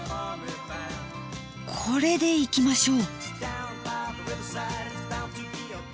これでいきましょう。